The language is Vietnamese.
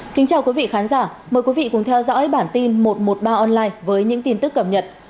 kính chào quý vị khán giả mời quý vị cùng theo dõi bản tin một trăm một mươi ba online với những tin tức cập nhật